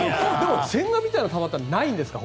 千賀みたいな球って他にはないんですか？